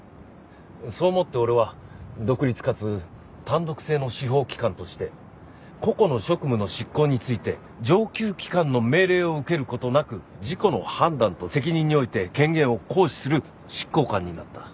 そう思って俺は独立かつ単独制の司法機関として個々の職務の執行について上級機関の命令を受ける事なく自己の判断と責任において権限を行使する執行官になった。